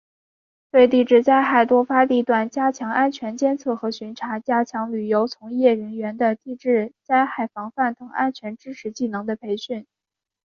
对地质灾害多发地段加强安全监测和巡查；加强旅游从业人员地质灾害防范等安全知识技能的培训